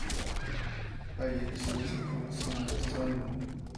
Allí recibió su formación de astrónomo.